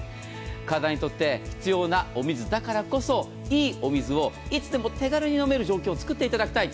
体にとって必要なお水だからこそいいお水をいつでも手軽に飲める状況を使っていただきたい。